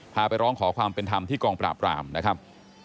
ไปร้องขอความเป็นธรรมที่กองปราบรามนะครับ